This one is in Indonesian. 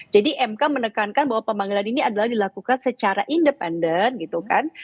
jadi mk menekankan bahwa pemanggilan ini adalah dilakukan secara independen gitu kan